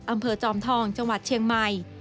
จอมทองจังหวัดเชียงใหม่